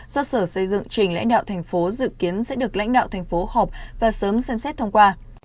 do sở xây dựng trình lãnh đạo tp hcm dự kiến sẽ được lãnh đạo tp hcm học và sớm xem xét thông qua